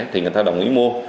thì người ta đồng ý mua